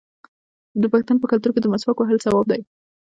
د پښتنو په کلتور کې د مسواک وهل ثواب دی.